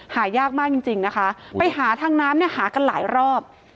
หายากมากจริงจริงนะคะไปหาทางน้ำเนี่ยหากันหลายรอบ